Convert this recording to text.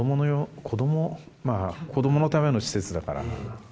子供のための施設だから。